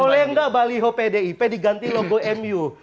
boleh nggak baliho pdip diganti logo mu